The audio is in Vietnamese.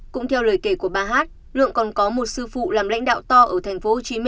cũng theo lời kể của bà hát lượng còn có một sư phụ làm lãnh đạo to ở tp hcm